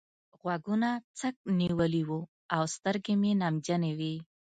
غوږونه څک نيولي وو او سترګې مې نمجنې وې.